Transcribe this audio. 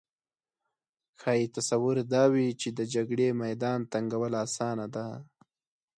ښايي تصور دا وي چې د جګړې میدان تنګول اسانه ده